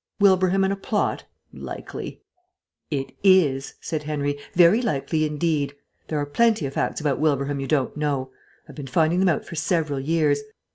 Wilbraham in a plot! Likely." "It is," said Henry. "Very likely indeed. There are plenty of facts about Wilbraham you don't know. I've been finding them out for several years.